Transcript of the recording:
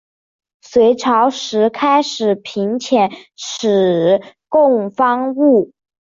隋朝时开始频遣使贡方物。